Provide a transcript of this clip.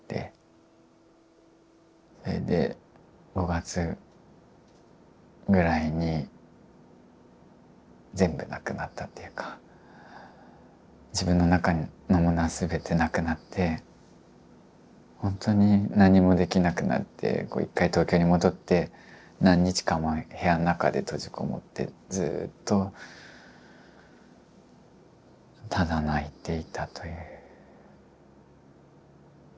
それで５月ぐらいに全部なくなったっていうか自分の中のものは全てなくなってほんとに何もできなくなって一回東京に戻って何日間も部屋の中で閉じこもってずっとただ泣いていたということがありました。